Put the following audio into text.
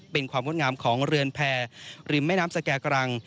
เป็นความงดงามของเรือนแพรริมแม่น้ำสแก่กรัง